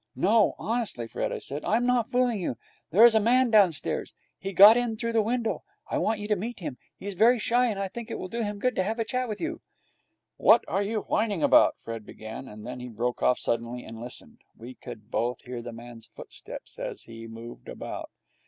'No, honestly, Fred,' I said, 'I'm not fooling you. There is a man downstairs. He got in through the window. I want you to meet him. He's very shy, and I think it will do him good to have a chat with you.' 'What are you whining about?' Fred began, and then he broke off suddenly and listened. We could both hear the man's footsteps as he moved about.